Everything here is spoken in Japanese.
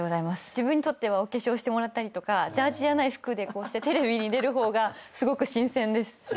自分にとってはお化粧してもらったりとかジャージーじゃない服でこうしてテレビに出る方がすごく新鮮です。